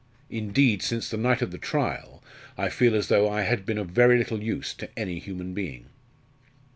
Indeed, since the night of the trial, I feel as though I had been of very little use to any human being."